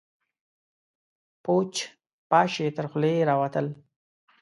پوچ، پاش يې تر خولې راوتل.